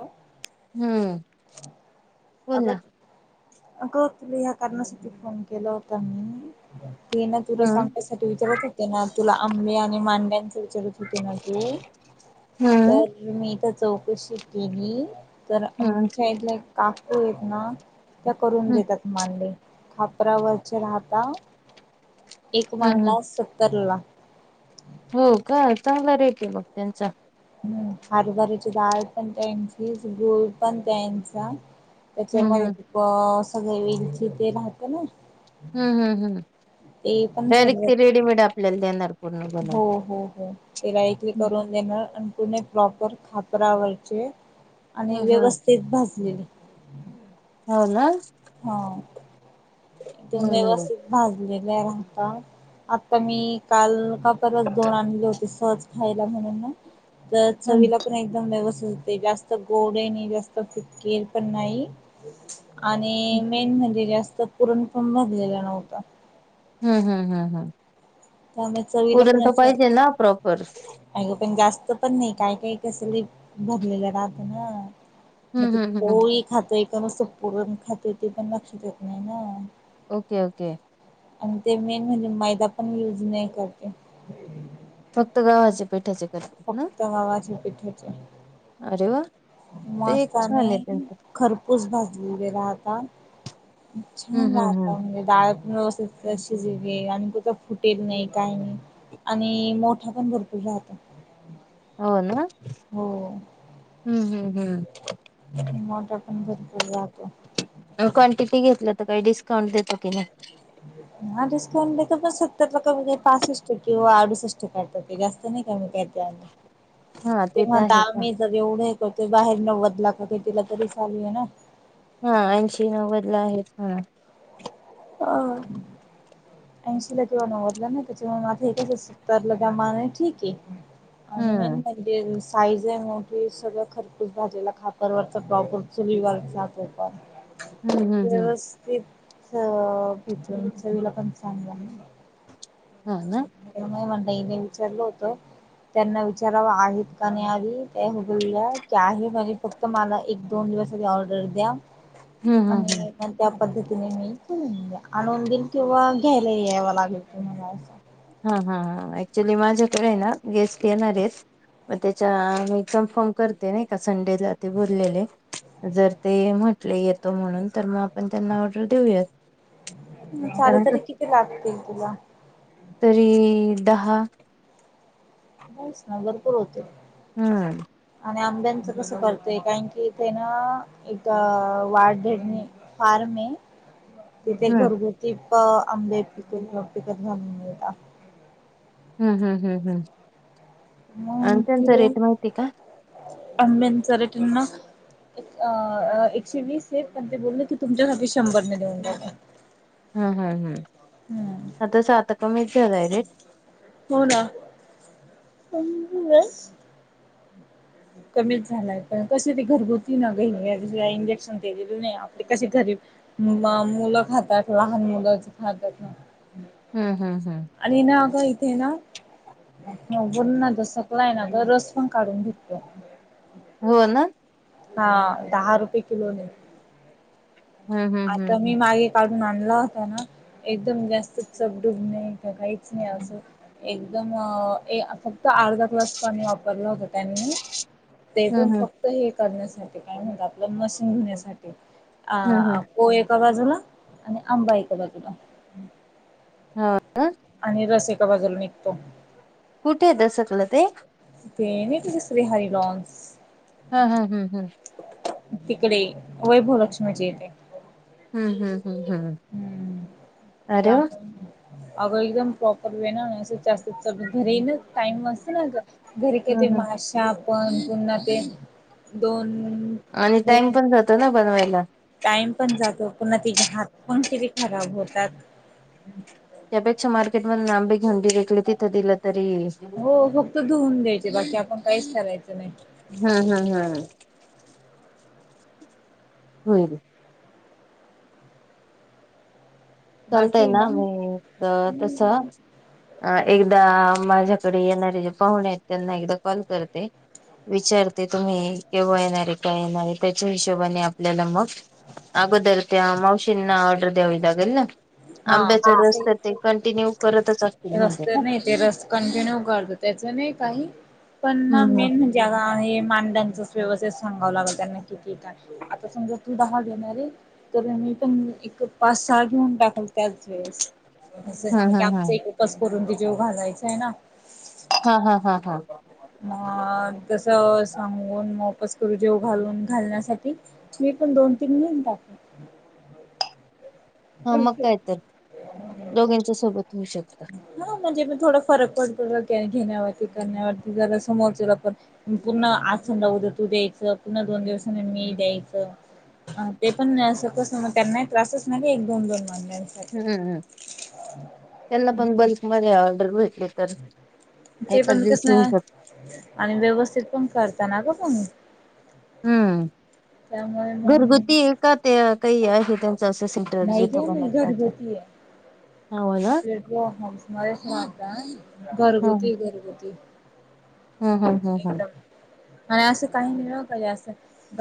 होॅो हम्म बोल ना. अगं अगं तुला ह्या कारणासाठी फोन केला होता मी ते ना तुला हम्म. सपयसाठी विचारत होते ना तुला आंब आणि मांड्यां विचारत होते ना तू हम्म. तर मी इथ चौकशी केली तर हम्म. आमच्या इथले काकू आहेत ना त्या करून हम्म. देतात मानले. खापरावररचे राहता एक हम्म हम्म. मांडा सत्तर ला. हो का, चांगला रेट आहे बघ त्यांचा. हम्! हरभऱ्याची डाळ पण त्यांचीच, गुळ पण त्यांचा-' हम्म त्याच्यामध्ये हम्म. तू सगळे वेलची ते राहते ना हम्म! हम! हम! ते पण सर्व डायरेक्ट रेडीमेड आपल्याला देणार. पूर्ण हो! बनवून. हो! हो! ते डायरेक्टली करून देणार आणि. पुणे प्रॉपर खापरावरचे. आणि हम्म हम्म. व्यवस्थित भाजलेले. हो ना! हा. इथून हम्म. व्यवस्थित भाजलेले राहता. आता मी काल खापरच दोन आणले होते सहज खायला म्हणून. तर हम्म हम्म चवीला पण एकदम व्यवस्थित ते जास्त गोड ही नाही, जास्त फिके पण नाही. आणि मेन म्हणजे जास्त पुरण पण भरलेला न्हवता. हम्म हम्म हम्म हम्म. त्यामुळे चवीला पुरण पण तर असं, पाहिजे ना प्रॉपर. आगं पण जास्त पण नाही, काय काय कसली भरलेलं राहत ना. मग हम्म ती हम्म हम्म. पोळी खातोय का नुसत पुरण खातोय ते पण लक्षात येत नाही ना. Okay okay. आणि ते मेन म्हणजे मैदा पण युज नाही करते. फक्त गव्हाचे पीठाचे? फक्त गव्हाचे पीठाचे. अरे वा. ते एक मस्त छान आहे आणि त्यांचं खरपूस भाजलेलेे राहात ता. हम्म छान हम्म हम्म. राहता म्हणजे डाळ व्यवस्थित शिजले आणि कुठ फुटेल नई काय नई. आणि मोठा पण भरपूर राहतो. हो ना? हो. हम्म हम्म हम्म मोठा पण भरपूर राहतो. क्वांटिटी घेतलं तर काही डिस्काउंट देतो की नई? हा डिस्काउंट देतातच सत्तर टक्के, पासष्ट टक्के व अडुसष्ट टक्के काय तरी जास्त नई नई का हा [unintelligible] ते एक तर म्हणता आहेच ना. आम्ही जर एवढे करतोय, बाहेर नव्वदला का कितीला तरी चालू आहे ना. हां, ऐंशी नव्वदला आहेत. हां. अंह. ऐंशीला किंवा नव्वदला ना [unintelligible] त्याची मागणी ठीक हाय. आणि मेन हम्म म्हणजे रुस साईज हाय मोठी, सगळं खरपूस भाजलेला खापरवरचा प्रॉपर चुलीवरचा तो पण हम्म हम्म हम्म व्यवस्थित [unintelligible] चवीला पण चांगला आहे. हो ना. [unintelligible] ताईने विचारलं होत, त्यांना विचारावं आहेत का नाही आधी? त्या हो बोलल्या की आहे, म्हणजे फक्त मला एक दोन दिवस आधी ऑर्डर द्या? हम्म हम्म हम्म आणि पण त्या पद्धती [unintelligible] आणून दीन किंवा घ्यायला यावं लागेल तुम्हाला. असं हां हां हां, ऍक्च्युली माझ्याकडे आहे ना, गेस्ट येणार आहेत. मगं त्याच्या मी कम्फर्म करते नईका संडे जाते बोललेले, जर ते म्ह म्हटले येतो म्हणून तर मगं आपण त्यांना ऑर्डर देऊयात. चालेल, कारण तरी कस किती लागतील तुला? तरी, दहा. [unintelligible] भरपूर होते. हंअ. आणि आंब्यांचं कस करतय कारण की ते ना एक वाढणे फार्मये - - तिथे हम्म घरगुती पा आंबे पिकत पिकत घालून मिळता हं हं हं हं मग आणि त्यांचा तिला रेट माहितीय का? आंब्यांचा रेट ना. अ एकशे वीस आहे. पण ते बोलले की तुमच्यासाठी शंभरने देऊन टाक. हम्म. हम्. हम्म. हम्म. आताच आता कमीच आहे का रेट. हो ना. हम् ब [unintelligible] कमीच झालाय. पण कसे ते घरगुती ना इंजेक्शन दिलेली नाही. आपले कसे घर मुलं खातात. लहान मुलं खातात. हम्म, हम्म, हम्म. ते ना वरनादसकला आहे ना. रस पण काढून घेतलो. हो ना. हा दहा रुपये किलो ने. हम्म हम्म हम्म आता मी हम्म. मागे काढ आणला होता ना. एकदम जास्त चपडुब नाहीं. काहीच नाही असं एकदम अर्धा ग्लास पाणी वापरलं होत त्यांनी. ते हम्म पण हम्म फक्त हे करण्यासाठी. काय म्हणत आपलं मशीन धुण्यासाठी. हम्म हम्म कोय एका बाजूला. आणि आंबा एका बाजूला. हा. आणि रस एका बाजूून निघतो. कुठे येत सकलं ते? ते मीत श्री हर लॉनस. हा, हम, हम् हम. तिकडे वैभवलक्ष्मीच्या इथे. हम्म हम्म हम्म हम्म. [inaudible] आरे वा! त्यामुळे अगं एकदम प्रॉपर वे ना असं जास्तच गं घरी येई ना टाईम असतो ना अता घरी का ते हम् हम माशा पण पुन्हा ते दोन आणि टाइम दोन पण जातो ना बनवायला. टाइम पण जातो पुन्हा तिचे हात पण किती खराब होतात. त्यापेक्षा मार्केट मधन आंबे घेऊन दिले की तिथं तिल हो फक्त धुवून द्यायचे बाकी आपण काहीच करायचं नाही. हा हा हा हा. होय. चालतय ना मी अ तस अ एकदा माझ्याकडे येणारे जे पाहुणे आहेत त्यांना एकदा कॉल करते. विचारते? तुम्ही केव्हा येणारे? काय येणारे? त्याच्या हिशोबाने आपल्याला मग आगोदर त्या मावशींना आर्डर द्यावी लागेल. हा आंब्याच रस माझी तर ते कंटिन्यू करतच असतील ना म्हणजे त्याच नाही काही पण ना हम्म हम्म. मेन म्हणजे हा आहे मांडांच व्यवस्थित सांगाव लागल त्यांना किती? काय? आता समजा तू दहा घेणार आहे तर मी पण एक पाच, सहा घेऊन टाकल त्याच वेळेस. असं हा हाय हा की हा आमच एक उप [unintelligible] ति जेवू घालायची आहे ना. हा हा हा हा. मग तस सांगून म [unintelligible] जेवू घालून घालण्यासाठी तुम्ही पण दोन, तीन मिनटात हा मग काय तर दोघींच्या सोबत होऊ शकत. हा म्हणजे मी थोड फरक पडतो. घेण्यावरती, करण्यावरती, जरा समोरच्याला पण. पुन्हा आत समजा उद्या तू द्यायचं, पुन्हा दोन दिवसांनी मी द्यायचं. ह ते पण असं कसं त्यांनाही त्रास त्यांना त्रासच नाही. एक दोन दोन वार. हम्म त्यांना पण बल्क मध्ये ऑर्डर तर ते एकाच पण कस दिवशी होऊ शकत. आणि व्यवस्थित पण करता ना ग तुम्ही. हम्म मग घरगुती का त्या काही आहे. त्या. नाही ग नाही घरगुती आहे. हो ना. आपल्या जो हं समारेश नाता घरगुती घरगुती हम हम हम हा एकदम आणि असं काही नाही असं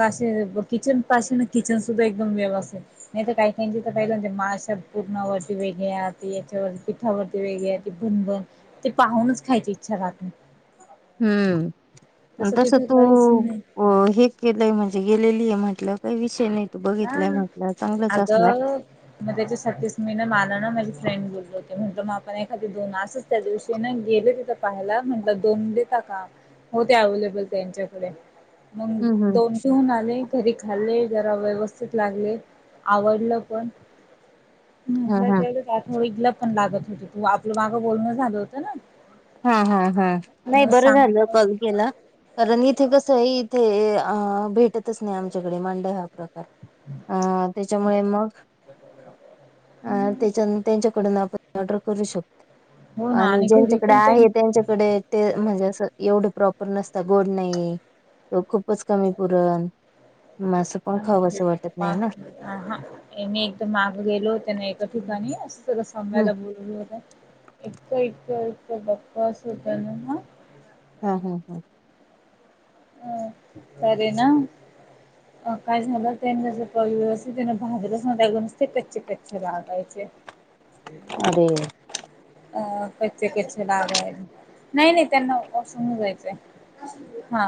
असे किचन पाशी ना किचन सुद्धा एकदम व्यवस्थित नाही तर काही त्यांची म्हणजे माशा पूरणावरती वेगळे याच्यावर पिठावरती वेगळे भनभन ते पाहूनच खायची इच्छा राहत नाही. हम्म तसं तस तिथे तू काहीच नाही अ हे केलंय म्हणजे गेलेली म्हटलं काही विषय नाही तू बघितलाय म्हटलं चांगलंच असणार. अगं मग त्याच्यासाठी मी ना अग माझी फ्रेंड बोलली होती. म्हणत मग आपण एखादी दोन असच त्या दिवशी ना गेले तिथं पाहायला म्हंटलं दोन देता का? [unintelligible] त्यांच्याकडे मग हम्म हम्म. दोन ठेऊून आले. घरी खाल्ले जरा व्यवस्थित. लागलीये आवडल पण हा हा म्हटलं आठवडी पण लागत होत तू आपलं मागं बोलण झालं होतं ना? हा, हा, हा नाही मग बरं झालं सांगलं कॉल केला कारण इथे कस आहे. ते भेटतच नाही आमच्याकडे मांडव हा प्रकार. अ त्याच्यामुळे मग अ त्याच्या त्यांच्याकडून आपण ऑर्डर करू शकतो? हो ना आणि घरी पण त्यां आहे त्यांच्याकडे ते म्हणजे अस एवढं प्रॉपर नसत गोड नाही. खूपच कमी पुरण म असं पण खावं असं वाटत नाही ना मी एकदम माग गेले होते ना एका ठिकाणी हम्म सांगायला बोल होत इतक इतक इतक बकवास होतना. ह हा हा हा तर हे ना. अ काय झालं त्यां व्यवस्थित भाजलेच नव्हते नुसते कच्चे-कच्चे लागायचे अरे कच्चे-कच्चे लागायचे. नाही-नाही त्यांना वॉशरूमला जायचे. हा.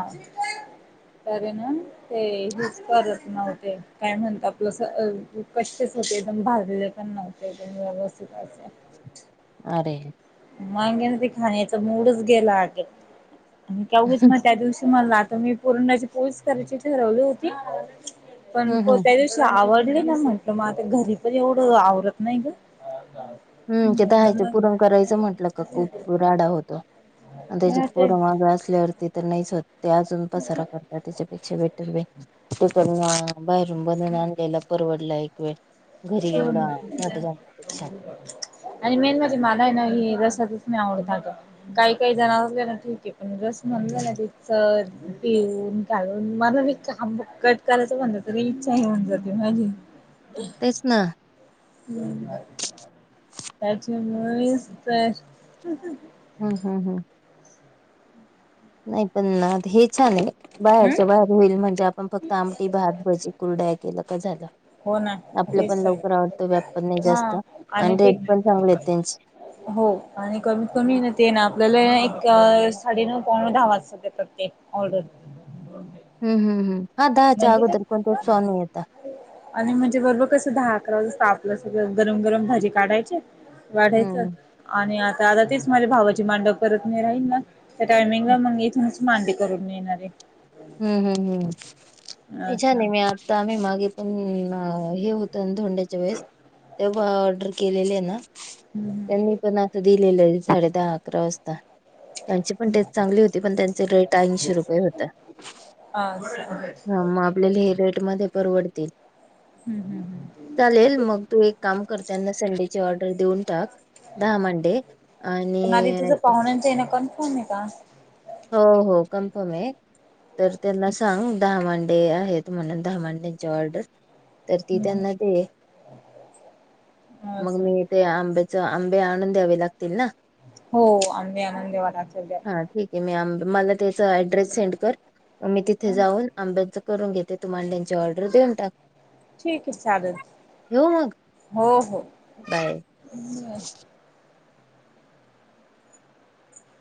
तर हे ना ते हेच करत नव्हते काय मम्हणता आपलं हो एकम भाजलेले पण नव्हते एकदम व्यवस्थित असे. अरे. मगे ना ते खाण्याचा मूडच गेला अगं उगीच मग हम्म त्या दिवशी म्हणलं आता मी पुरणाची पोळीच करायची ठरवली होती. पण को हम्म त्या दिवशी आवडली ना. म्हंटलं मग आता घरी पण एवढं आवरत नाही ग! हम ते दहायचं पुरण करायचं! म्हटलं का खूप राडा होतो आणि हा त्याच्यात ते पोरं माग असल्यावरती तर नाहीच होत. ते अजून पसारा करतात, त्याच्यापेक्षा बेटर वे तिकडनं बाहेरून बनून आणलेला परवडल एक वेळ. घरी एवढा घाट घालण्यापेक्षा. आणि मेन म्हणजे मला ना हे रसातच नाही. आवडत काही काही जण असले ना ठीक आहे पण. मिक्सर रस पिळून मग तो काढून मला लई कंटाळा इच्छाच निघून जाते माझी. तेच ना. त्याची मूळीच तर हम्म हम्म हम्म नाही पण हे छान आहे. हम्म बाहेरच्या बाहेर होईल म्हणजे आपण फक्त आमटी, भात, भजी कुरड्या केलं का झालं. हो ना आपलं तेच पण तर लवकर आवडतो व्यापण नाही हा जास्त आणि रेट पण चांगले आहेत त्यांची. हो आणि कमीत कमी ते ना आपल्याला एक साडेनऊ पावण दहा वाजता देतात ते ऑर्डर. हम्म हम्म हम्म. हा दहाच्या म्हणजे का अगोदर कोणतेच सॉ नाही येता आणि म्हणजे बरोबर कस दहा अकरा वाज या आपलं सगळं गरम गरम भजी काढायचे वाढायच हम्म आणि आ आता तेच माझ्या भावाची मांडव करत नाही राहील ना त्या टायमिंगला मग इथूनच मांडी करून नेणारये. हम्म हम्म हम्म ये असं छानये मी आता आम्ही मागे पण हे होत धोंड्याच्या वेळेस तेव्हा ऑर्डर केलेलं ना हम्म त्यांनी पण आता दे लेलई साडे दहा अकरा वाजता. त्यांची पण तेच चांगली होती पण त्यांचे रेट ऐंशी रुपये होत. असं. हम्म हा मग आपल्याला हे रेट मध्ये परवडतील. हम्म हम्म. चालेल मग तू एक काम करताना संडेची ऑर्डर देऊन टाक. दहा मंडे आणि हो म का? हो हो कन्फर्म आहे तर त्यांना सांग दहा माणस डे आहेत म्हणून दहा मांड्याची ऑर्डर. तर ती हम्म. त्यांना दे मग असं मी ते आंब्याचे तर अंबे आ आणून द्यावी लागतील. ना हो आम्ही आनंदेवालाख दला. हा ठीक आहे मी आंबे माला त्याच ऍड्रेस सेंड कर मग मी तिथं जाऊन आंबेच करून घेते तमला त्यांची ऑर्डर देऊन टाक. ठीक आहे चालेल. ठेवू मग हो हो. बाय